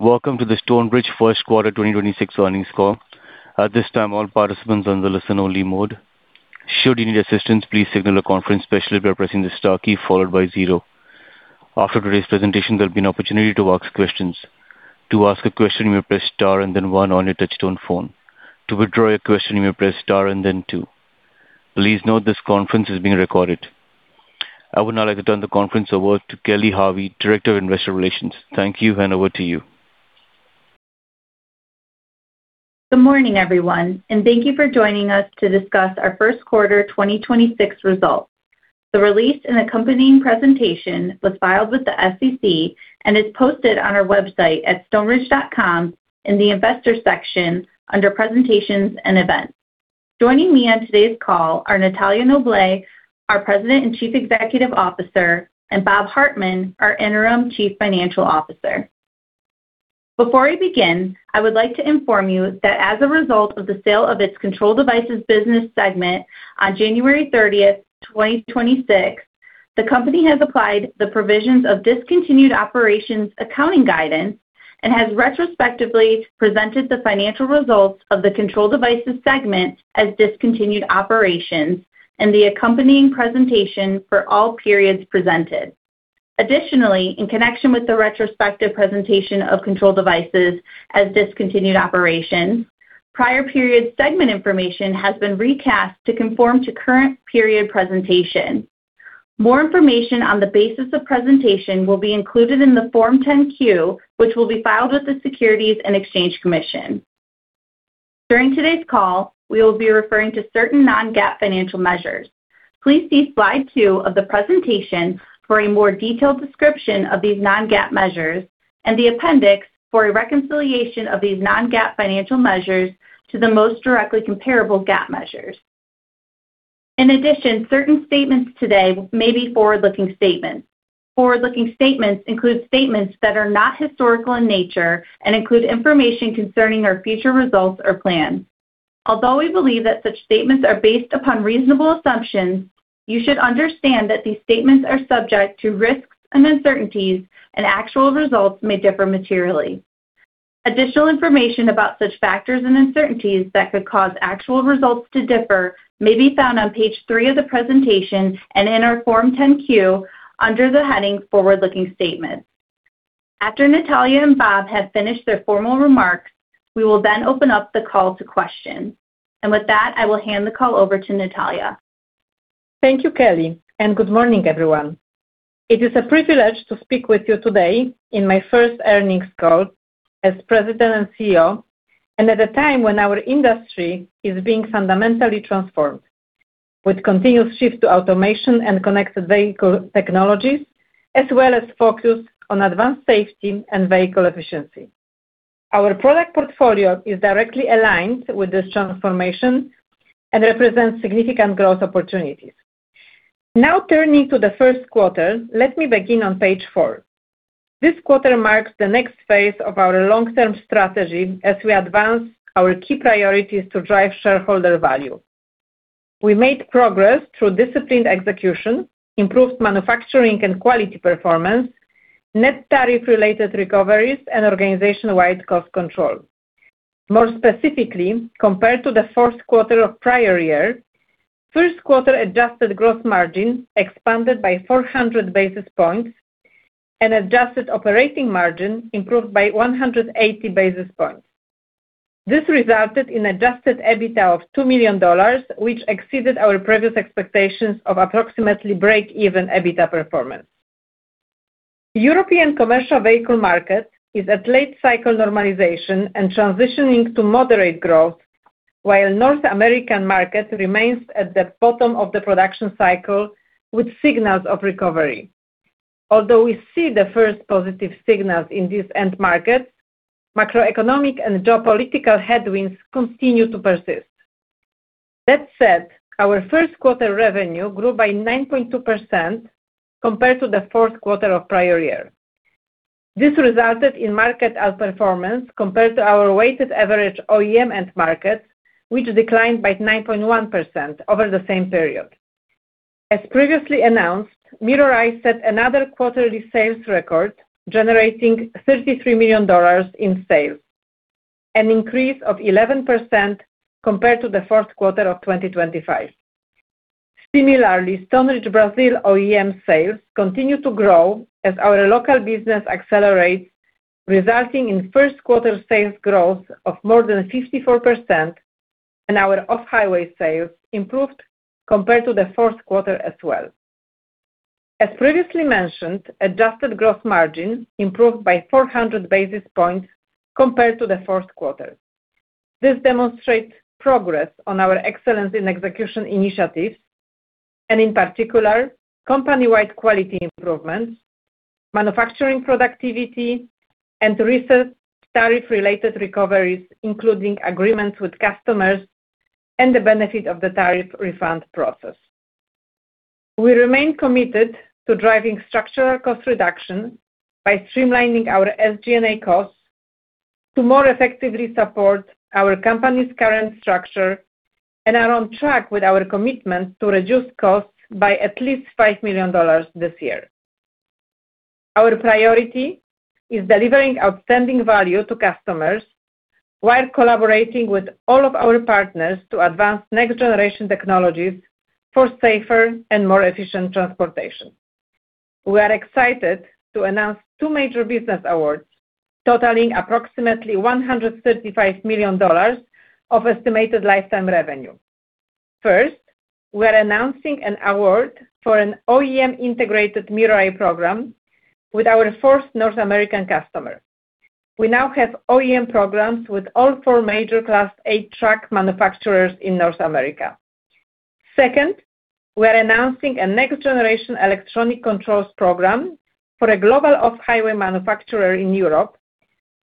Welcome to the Stoneridge first quarter 2026 earnings call. At this time, all participants on the listen only mode. After today's presentation, there'll be an opportunity to ask questions. I would now like to turn the conference over to Kelly Harvey, Director of Investor Relations. Thank you, and over to you. Good morning, everyone, thank you for joining us to discuss our first quarter 2026 results. The release and accompanying presentation was filed with the SEC and is posted on our website at stoneridge.com in the investor section under presentations and events. Joining me on today's call are Natalia Noblet, our President and Chief Executive Officer, and Bob Hartman, our interim Chief Financial Officer. Before we begin, I would like to inform you that as a result of the sale of its Control Devices business segment on January 30th, 2026, the company has applied the provisions of discontinued operations accounting guidance and has retrospectively presented the financial results of the Control Devices segment as discontinued operations and the accompanying presentation for all periods presented. Additionally, in connection with the retrospective presentation of Control Devices as discontinued operations, prior period segment information has been recast to conform to current period presentation. More information on the basis of presentation will be included in the Form 10-Q, which will be filed with the Securities and Exchange Commission. During today's call, we will be referring to certain non-GAAP financial measures. Please see slide two of the presentation for a more detailed description of these non-GAAP measures and the appendix for a reconciliation of these non-GAAP financial measures to the most directly comparable GAAP measures. In addition, certain statements today may be forward-looking statements. Forward-looking statements include statements that are not historical in nature and include information concerning our future results or plans. Although we believe that such statements are based upon reasonable assumptions, you should understand that these statements are subject to risks and uncertainties, and actual results may differ materially. Additional information about such factors and uncertainties that could cause actual results to differ may be found on page three of the presentation and in our Form 10-Q under the heading Forward Looking Statements. After Natalia and Bob have finished their formal remarks, we will then open up the call to questions. With that, I will hand the call over to Natalia. Thank you, Kelly. Good morning, everyone. It is a privilege to speak with you today in my first earnings call as President and CEO and at a time when our industry is being fundamentally transformed. With continuous shift to automation and connected vehicle technologies as well as focus on advanced safety and vehicle efficiency. Our product portfolio is directly aligned with this transformation and represents significant growth opportunities. Now turning to the first quarter, let me begin on page four. This quarter marks the next phase of our long-term strategy as we advance our key priorities to drive shareholder value. We made progress through disciplined execution, improved manufacturing and quality performance, net tariff related recoveries and organization-wide cost control. More specifically, compared to the fourth quarter of prior year, first quarter adjusted gross margin expanded by 400 basis points and adjusted operating margin improved by 180 basis points. This resulted in adjusted EBITDA of $2 million, which exceeded our previous expectations of approximately break-even EBITDA performance. European commercial vehicle market is at late cycle normalization and transitioning to moderate growth, while North American market remains at the bottom of the production cycle with signals of recovery. Although we see the first positive signals in these end markets, macroeconomic and geopolitical headwinds continue to persist. That said, our first quarter revenue grew by 9.2% compared to the fourth quarter of prior year. This resulted in market outperformance compared to our weighted average OEM end market, which declined by 9.1% over the same period. As previously announced, MirrorEye set another quarterly sales record, generating $33 million in sales, an increase of 11% compared to the fourth quarter of 2025. Similarly, Stoneridge Brazil OEM sales continue to grow as our local business accelerates, resulting in first quarter sales growth of more than 54% and our off-highway sales improved compared to the fourth quarter as well. As previously mentioned, adjusted gross margin improved by 400 basis points compared to the fourth quarter. This demonstrates progress on our excellence in execution initiatives and in particular, company-wide quality improvements, manufacturing productivity and recent tariff related recoveries, including agreements with customers and the benefit of the tariff refund process. We remain committed to driving structural cost reduction by streamlining our SG&A costs to more effectively support our company's current structure and are on track with our commitment to reduce costs by at least $5 million this year. Our priority is delivering outstanding value to customers while collaborating with all of our partners to advance next-generation technologies for safer and more efficient transportation. We are excited to announce two major business awards totaling approximately $135 million of estimated lifetime revenue. First, we are announcing an award for an OEM integrated MirrorEye program with our first North American customer. We now have OEM programs with all four major Class 8 truck manufacturers in North America. Second, we are announcing a next-generation electronic controls program for a global off-highway manufacturer in Europe,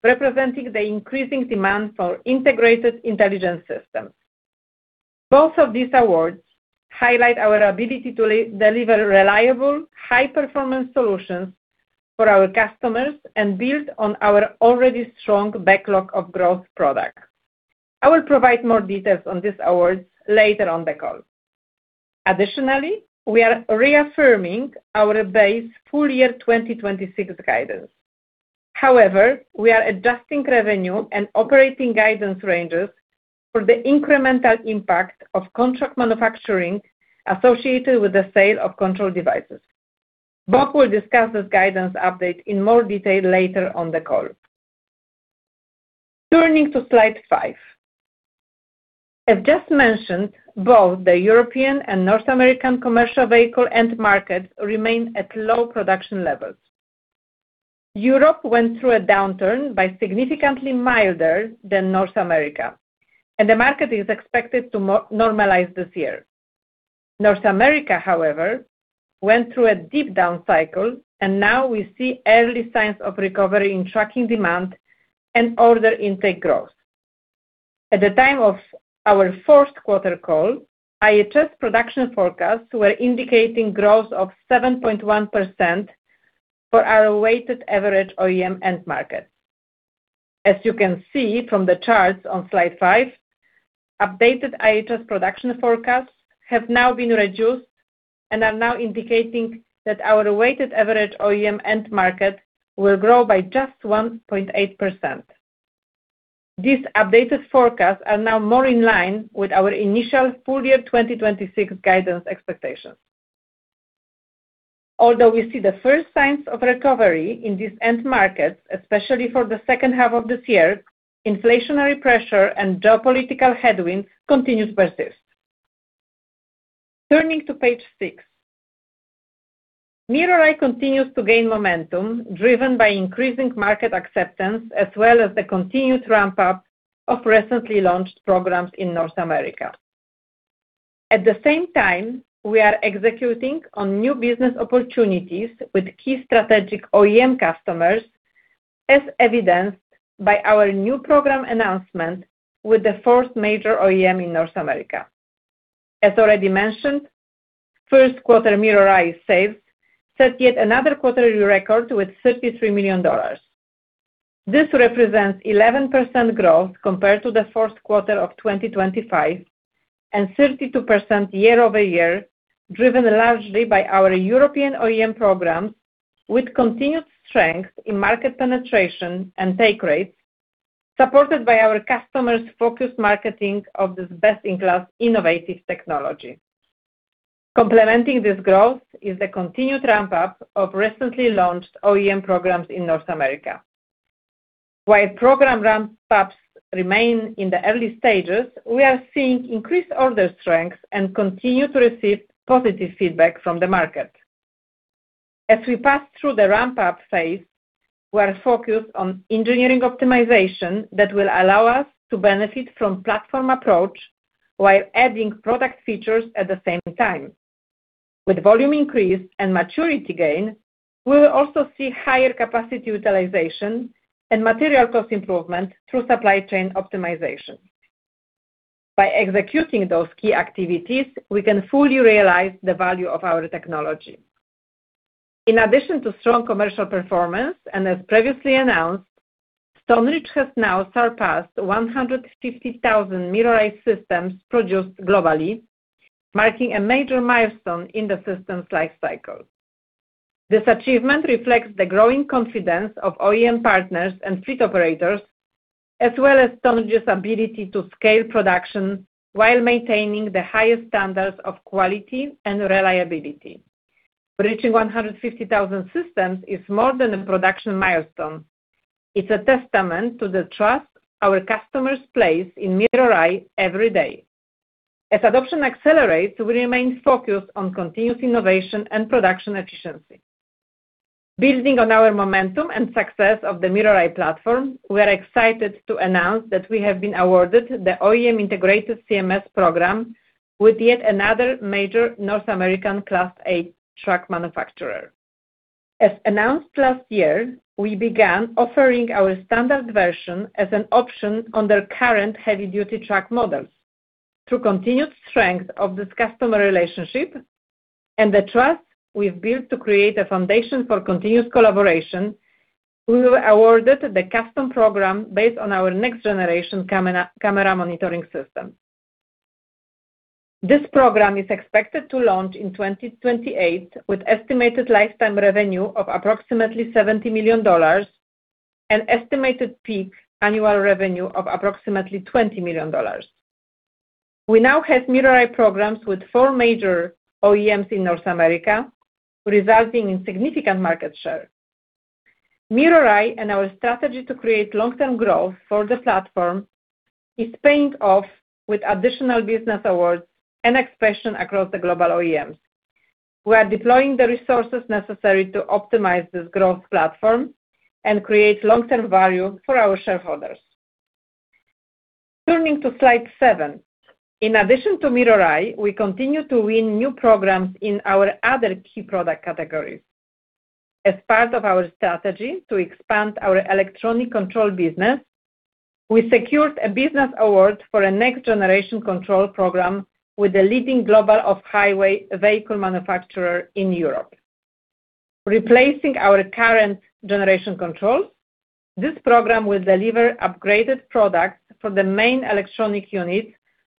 representing the increasing demand for integrated intelligence systems. Both of these awards highlight our ability to deliver reliable, high-performance solutions for our customers and build on our already strong backlog of growth products. I will provide more details on these awards later on the call. We are reaffirming our base full-year 2026 guidance. We are adjusting revenue and operating guidance ranges for the incremental impact of contract manufacturing associated with the sale of Control Devices. Bob will discuss this guidance update in more detail later on the call. Turning to slide five. As just mentioned, both the European and North American commercial vehicle end markets remain at low production levels. Europe went through a downturn by significantly milder than North America, the market is expected to normalize this year. North America, however, went through a deep down cycle, now we see early signs of recovery in trucking demand and order intake growth. At the time of our fourth quarter call, IHS production forecasts were indicating growth of 7.1% for our weighted average OEM end market. As you can see from the charts on slide five, updated IHS production forecasts have now been reduced and are now indicating that our weighted average OEM end market will grow by just 1.8%. These updated forecasts are now more in line with our initial full year 2026 guidance expectations. Although we see the first signs of recovery in these end markets, especially for the second half of this year, inflationary pressure and geopolitical headwinds continue to persist. Turning to page 6. MirrorEye continues to gain momentum driven by increasing market acceptance as well as the continued ramp-up of recently launched programs in North America. At the same time, we are executing on new business opportunities with key strategic OEM customers, as evidenced by our new program announcement with the fourth major OEM in North America. As already mentioned, first quarter MirrorEye sales set yet another quarterly record with $33 million. This represents 11% growth compared to the first quarter of 2025 and 32% year-over-year, driven largely by our European OEM programs with continued strength in market penetration and take rates, supported by our customers' focused marketing of this best-in-class innovative technology. Complementing this growth is the continued ramp-up of recently launched OEM programs in North America. While program ramp-ups remain in the early stages, we are seeing increased order strength and continue to receive positive feedback from the market. As we pass through the ramp-up phase, we are focused on engineering optimization that will allow us to benefit from platform approach while adding product features at the same time. With volume increase and maturity gain, we will also see higher capacity utilization and material cost improvement through supply chain optimization. By executing those key activities, we can fully realize the value of our technology. In addition to strong commercial performance, and as previously announced, Stoneridge has now surpassed 150,000 MirrorEye systems produced globally, marking a major milestone in the system's life cycle. This achievement reflects the growing confidence of OEM partners and fleet operators, as well as Stoneridge's ability to scale production while maintaining the highest standards of quality and reliability. Reaching 150,000 systems is more than a production milestone. It's a testament to the trust our customers place in MirrorEye every day. As adoption accelerates, we remain focused on continuous innovation and production efficiency. Building on our momentum and success of the MirrorEye platform, we are excited to announce that we have been awarded the OEM integrated CMS program with yet another major North American Class 8 truck manufacturer. As announced last year, we began offering our standard version as an option on their current heavy-duty truck models. Through continued strength of this customer relationship and the trust we've built to create a foundation for continuous collaboration, we were awarded the custom program based on our next generation camera monitoring system. This program is expected to launch in 2028 with estimated lifetime revenue of approximately $70 million and estimated peak annual revenue of approximately $20 million. We now have MirrorEye programs with four major OEMs in North America, resulting in significant market share. MirrorEye and our strategy to create long-term growth for the platform is paying off with additional business awards and expansion across the global OEMs. We are deploying the resources necessary to optimize this growth platform and create long-term value for our shareholders. Turning to slide seven. In addition to MirrorEye, we continue to win new programs in our other key product categories. As part of our strategy to expand our electronic control business, we secured a business award for a next-generation control program with a leading global off-highway vehicle manufacturer in Europe. Replacing our current generation controls, this program will deliver upgraded products for the main electronic units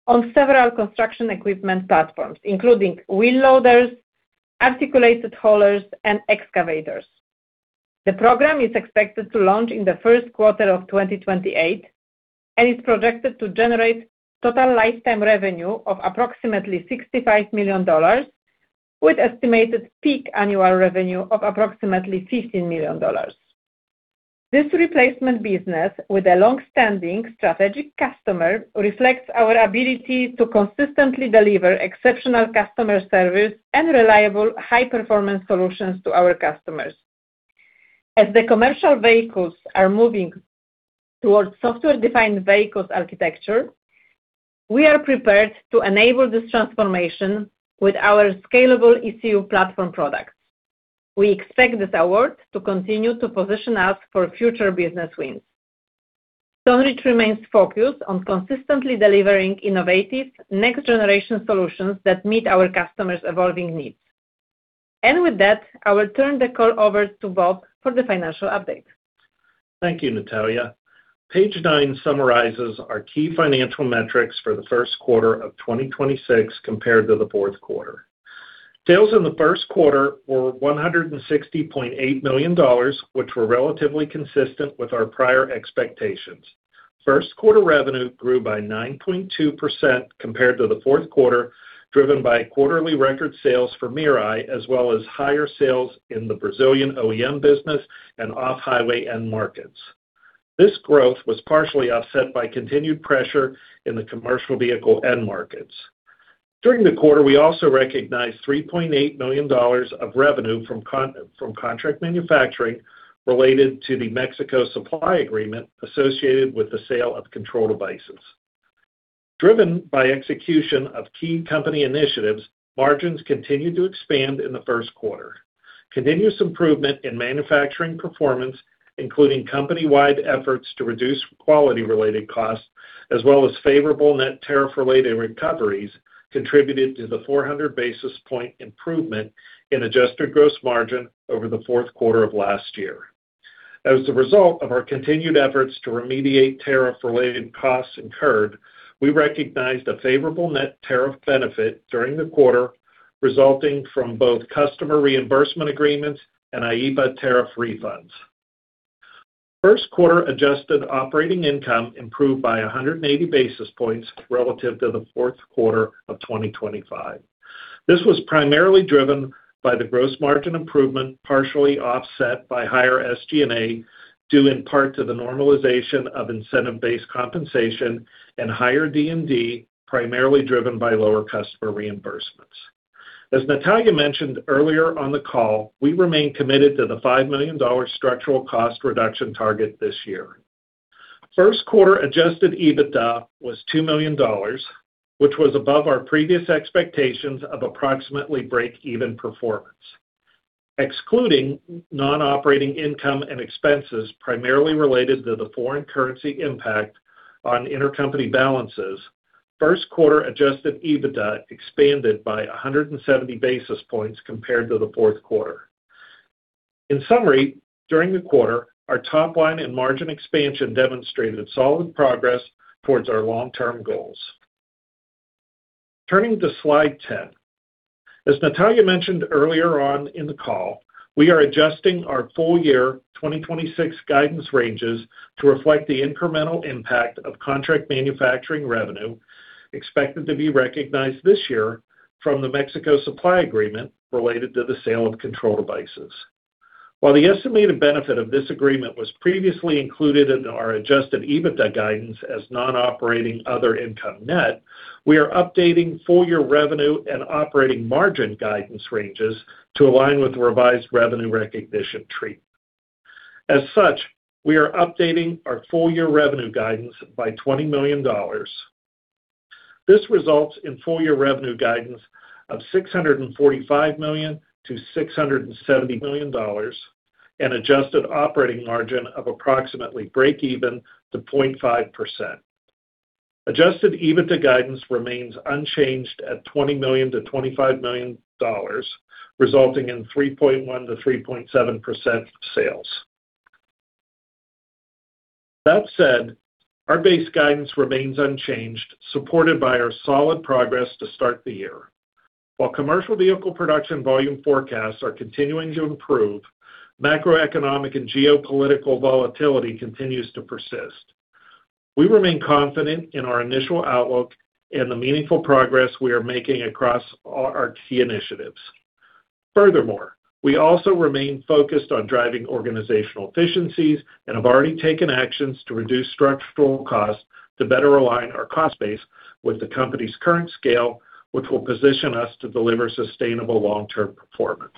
on several construction equipment platforms, including wheel loaders, articulated haulers, and excavators. The program is expected to launch in the first quarter of 2028 and is projected to generate total lifetime revenue of approximately $65 million with estimated peak annual revenue of approximately $15 million. This replacement business with a long-standing strategic customer reflects our ability to consistently deliver exceptional customer service and reliable high-performance solutions to our customers. As the commercial vehicles are moving towards software-defined vehicles architecture, we are prepared to enable this transformation with our scalable ECU platform products. We expect this award to continue to position us for future business wins. Stoneridge remains focused on consistently delivering innovative next-generation solutions that meet our customers' evolving needs. With that, I will turn the call over to Bob for the financial update. Thank you, Natalia. Page nine summarizes our key financial metrics for the first quarter of 2026 compared to the fourth quarter. Sales in the first quarter were $160.8 million, which were relatively consistent with our prior expectations. First quarter revenue grew by 9.2% compared to the fourth quarter, driven by quarterly record sales for MirrorEye, as well as higher sales in the Brazilian OEM business and off-highway end markets. This growth was partially offset by continued pressure in the commercial vehicle end markets. During the quarter, we also recognized $3.8 million of revenue from contract manufacturing related to the Mexico supply agreement associated with the sale of Control Devices. Driven by execution of key company initiatives, margins continued to expand in the first quarter. Continuous improvement in manufacturing performance, including company-wide efforts to reduce quality-related costs, as well as favorable net tariff-related recoveries, contributed to the 400 basis point improvement in adjusted gross margin over the fourth quarter of last year. As a result of our continued efforts to remediate tariff-related costs incurred, we recognized a favorable net tariff benefit during the quarter, resulting from both customer reimbursement agreements and IEEPA tariff refunds. First quarter adjusted operating income improved by 180 basis points relative to the fourth quarter of 2025. This was primarily driven by the gross margin improvement, partially offset by higher SG&A, due in part to the normalization of incentive-based compensation and higher D&A, primarily driven by lower customer reimbursements. As Natalia mentioned earlier on the call, we remain committed to the $5 million structural cost reduction target this year. First quarter adjusted EBITDA was $2 million, which was above our previous expectations of approximately break-even performance. Excluding non-operating income and expenses, primarily related to the foreign currency impact on intercompany balances, first quarter adjusted EBITDA expanded by 170 basis points compared to the fourth quarter. In summary, during the quarter, our top line and margin expansion demonstrated solid progress towards our long-term goals. Turning to slide 10. As Natalia mentioned earlier on in the call, we are adjusting our full year 2026 guidance ranges to reflect the incremental impact of contract manufacturing revenue expected to be recognized this year from the Mexico supply agreement related to the sale of Control Devices. While the estimated benefit of this agreement was previously included in our adjusted EBITDA guidance as non-operating other income net, we are updating full-year revenue and operating margin guidance ranges to align with revised revenue recognition treatment. As such, we are updating our full-year revenue guidance by $20 million. This results in full-year revenue guidance of $645 million-$670 million. Adjusted operating margin of approximately breakeven to 0.5%. Adjusted EBITDA guidance remains unchanged at $20 million-$25 million, resulting in 3.1%-3.7% sales. That said, our base guidance remains unchanged, supported by our solid progress to start the year. While commercial vehicle production volume forecasts are continuing to improve, macroeconomic and geopolitical volatility continues to persist. We remain confident in our initial outlook and the meaningful progress we are making across all our key initiatives. Furthermore, we also remain focused on driving organizational efficiencies and have already taken actions to reduce structural costs to better align our cost base with the company's current scale, which will position us to deliver sustainable long-term performance.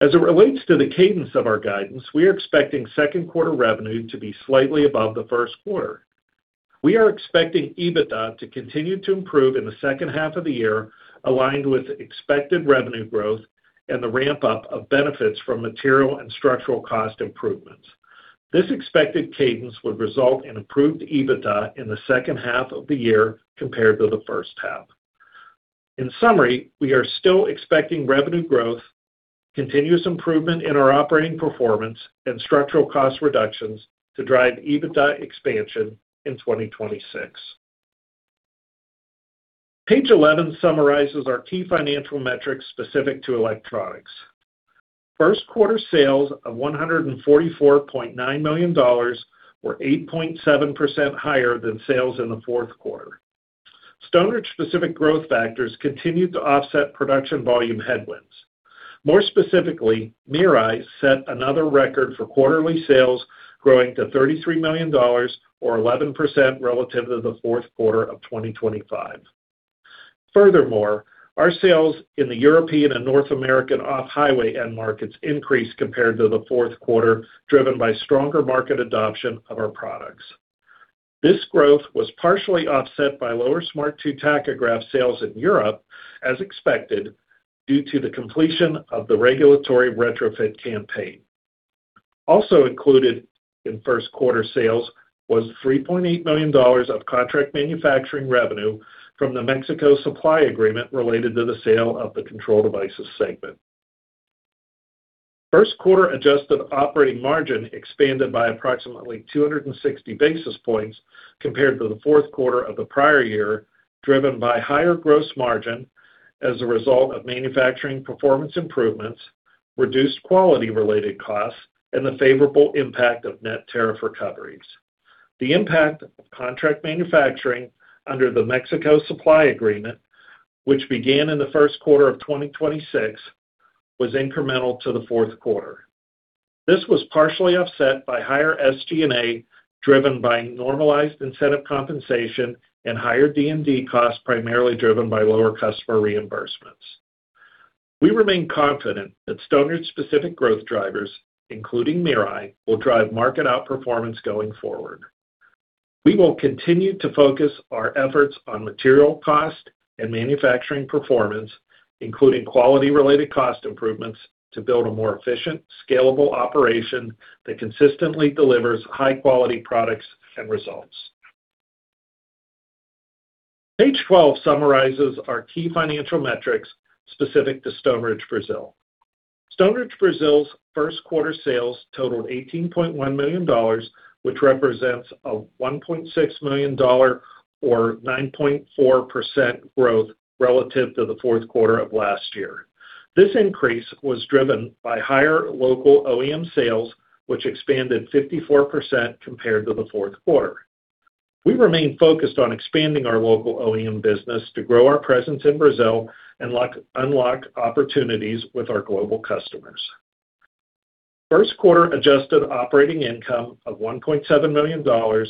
As it relates to the cadence of our guidance, we are expecting second quarter revenue to be slightly above the first quarter. We are expecting EBITDA to continue to improve in the second half of the year, aligned with expected revenue growth and the ramp-up of benefits from material and structural cost improvements. This expected cadence would result in improved EBITDA in the second half of the year compared to the first half. In summary, we are still expecting revenue growth, continuous improvement in our operating performance, and structural cost reductions to drive EBITDA expansion in 2026. Page 11 summarizes our key financial metrics specific to electronics. First quarter sales of $144.9 million were 8.7% higher than sales in the fourth quarter. Stoneridge specific growth factors continued to offset production volume headwinds. More specifically, MirrorEye set another record for quarterly sales growing to $33 million or 11% relative to the fourth quarter of 2025. Furthermore, our sales in the European and North American off-highway end markets increased compared to the fourth quarter, driven by stronger market adoption of our products. This growth was partially offset by lower Smart 2 tachograph sales in Europe, as expected, due to the completion of the regulatory retrofit campaign. Also included in first quarter sales was $3.8 million of contract manufacturing revenue from the Mexico supply agreement related to the sale of the Control Devices segment. First quarter adjusted operating margin expanded by approximately 260 basis points compared to the fourth quarter of the prior year, driven by higher gross margin as a result of manufacturing performance improvements, reduced quality-related costs, and the favorable impact of net tariff recoveries. The impact of contract manufacturing under the Mexico supply agreement, which began in the first quarter of 2026, was incremental to the fourth quarter. This was partially offset by higher SG&A, driven by normalized incentive compensation and higher D&A costs, primarily driven by lower customer reimbursements. We remain confident that Stoneridge specific growth drivers, including MirrorEye, will drive market outperformance going forward. We will continue to focus our efforts on material cost and manufacturing performance, including quality-related cost improvements, to build a more efficient, scalable operation that consistently delivers high-quality products and results. Page 12 summarizes our key financial metrics specific to Stoneridge Brazil. Stoneridge Brazil's first quarter sales totaled $18.1 million, which represents a $1.6 million or 9.4% growth relative to the fourth quarter of last year. This increase was driven by higher local OEM sales, which expanded 54% compared to the fourth quarter. We remain focused on expanding our local OEM business to grow our presence in Brazil and unlock opportunities with our global customers. First quarter adjusted operating income of $1.7 million or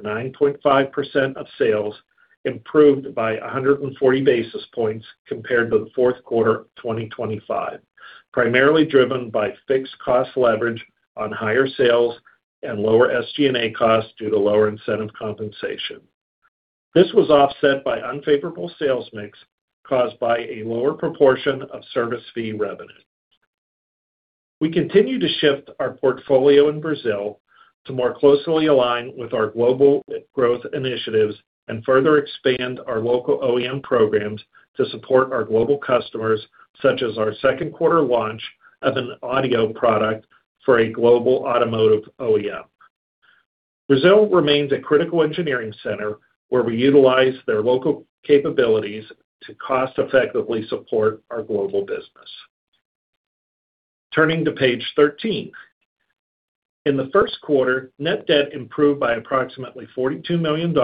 9.5% of sales improved by 140 basis points compared to the fourth quarter of 2025, primarily driven by fixed cost leverage on higher sales and lower SG&A costs due to lower incentive compensation. This was offset by unfavorable sales mix caused by a lower proportion of service fee revenue. We continue to shift our portfolio in Brazil to more closely align with our global growth initiatives and further expand our local OEM programs to support our global customers, such as our second quarter launch of an audio product for a global automotive OEM. Brazil remains a critical engineering center where we utilize their local capabilities to cost effectively support our global business. Turning to page 13. In the first quarter, net debt improved by approximately $42 million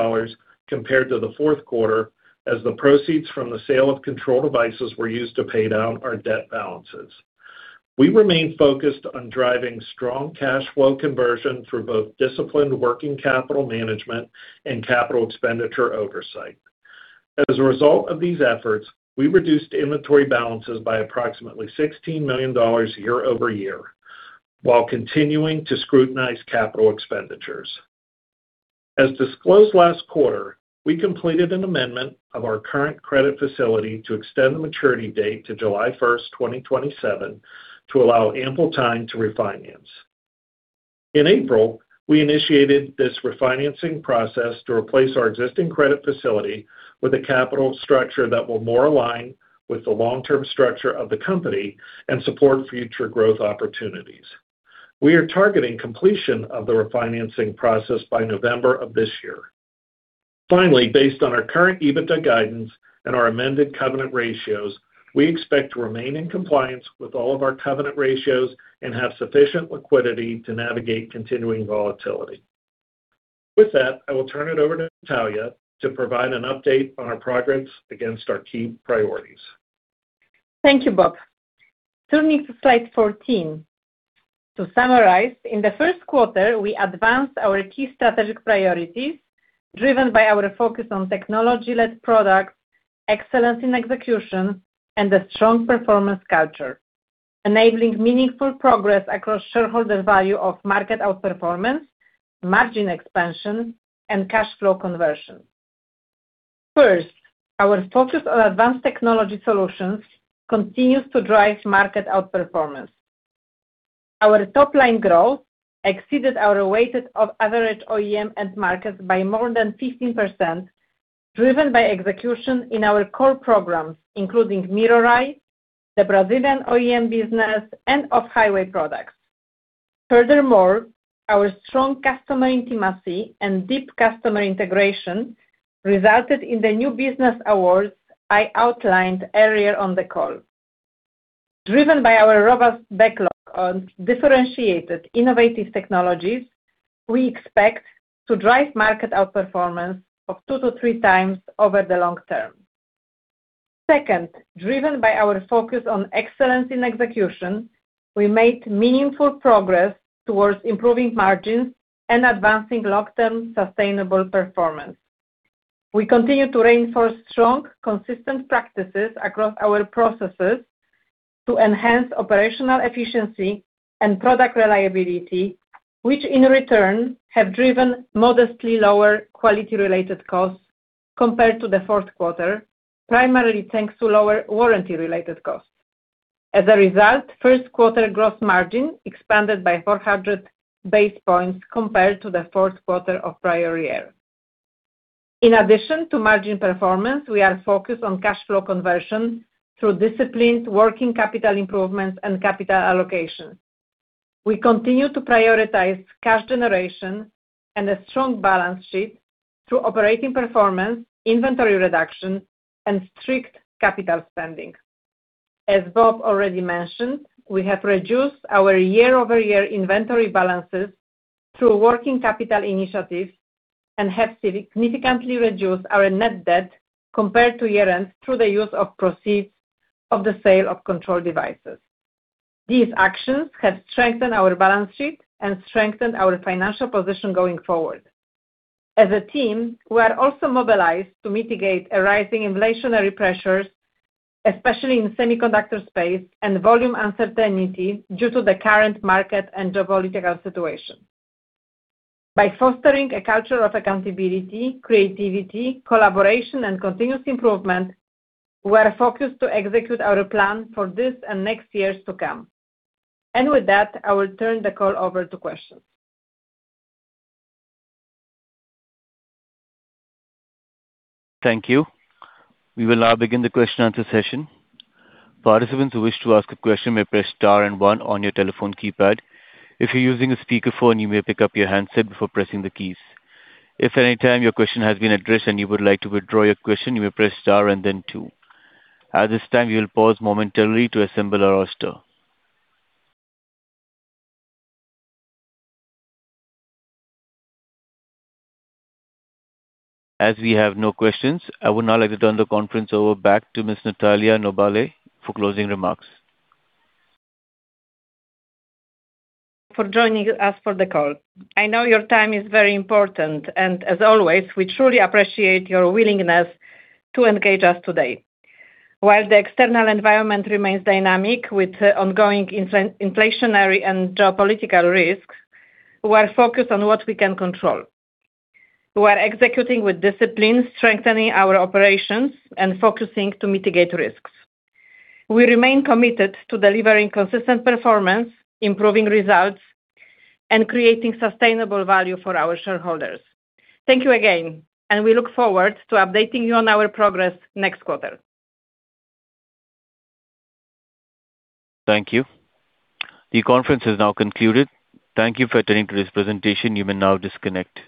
compared to the fourth quarter as the proceeds from the sale of Control Devices were used to pay down our debt balances. We remain focused on driving strong cash flow conversion through both disciplined working capital management and capital expenditure oversight. As a result of these efforts, we reduced inventory balances by approximately $16 million year-over-year while continuing to scrutinize capital expenditures. As disclosed last quarter, we completed an amendment of our current credit facility to extend the maturity date to July 1, 2027, to allow ample time to refinance. In April, we initiated this refinancing process to replace our existing credit facility with a capital structure that will more align with the long-term structure of the company and support future growth opportunities. We are targeting completion of the refinancing process by November of this year. Finally, based on our current EBITDA guidance and our amended covenant ratios, we expect to remain in compliance with all of our covenant ratios and have sufficient liquidity to navigate continuing volatility. With that, I will turn it over to Natalia to provide an update on our progress against our key priorities. Thank you, Bob. Turning to slide 14. To summarize, in the first quarter, we advanced our key strategic priorities driven by our focus on technology-led products, excellence in execution, and a strong performance culture, enabling meaningful progress across shareholder value of market outperformance, margin expansion, and cash flow conversion. First, our focus on advanced technology solutions continues to drive market outperformance. Our top-line growth exceeded our weighted average OEM end markets by more than 15%, driven by execution in our core programs, including MirrorEye, the Brazilian OEM business, and off-highway products. Furthermore, our strong customer intimacy and deep customer integration resulted in the new business awards I outlined earlier on the call. Driven by our robust backlog on differentiated innovative technologies, we expect to drive market outperformance of two to three times over the long term. Second, driven by our focus on excellence in execution, we made meaningful progress towards improving margins and advancing long-term sustainable performance. We continue to reinforce strong, consistent practices across our processes to enhance operational efficiency and product reliability, which in return have driven modestly lower quality-related costs compared to the fourth quarter, primarily thanks to lower warranty-related costs. As a result, first quarter gross margin expanded by 400 basis points compared to the fourth quarter of prior year. In addition to margin performance, we are focused on cash flow conversion through disciplined working capital improvements and capital allocation. We continue to prioritize cash generation and a strong balance sheet through operating performance, inventory reduction, and strict capital spending. As Bob already mentioned, we have reduced our year-over-year inventory balances through working capital initiatives and have significantly reduced our net debt compared to year-end through the use of proceeds of the sale of Control Devices. These actions have strengthened our balance sheet and strengthened our financial position going forward. As a team, we are also mobilized to mitigate arising inflationary pressures, especially in semiconductor space and volume uncertainty due to the current market and geopolitical situation. By fostering a culture of accountability, creativity, collaboration, and continuous improvement, we are focused to execute our plan for this and next years to come. With that, I will turn the call over to questions. As we have no questions, I would now like to turn the conference over back to Ms. Natalia Noblet for closing remarks. For joining us for the call. I know your time is very important, and as always, we truly appreciate your willingness to engage us today. While the external environment remains dynamic with ongoing inflationary and geopolitical risks, we are focused on what we can control. We are executing with discipline, strengthening our operations and focusing to mitigate risks. We remain committed to delivering consistent performance, improving results, and creating sustainable value for our shareholders. Thank you again, and we look forward to updating you on our progress next quarter. Thank you. The conference is now concluded. Thank you for attending today's presentation. You may now disconnect.